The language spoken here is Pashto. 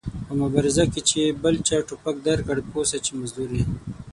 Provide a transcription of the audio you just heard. په مبارزه کې چې بل چا ټوپک درکړ پوه سه چې مزدور ېې